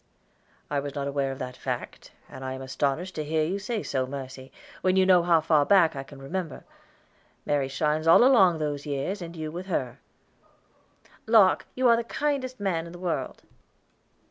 "I was not aware of that fact, and am astonished to hear you say so, Mercy, when you know how far back I can remember. Mary shines all along those years, and you with her." "Locke, you are the kindest man in the world."